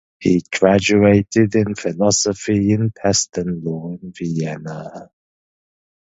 He graduated in philosophy in Pest and law in Vienna.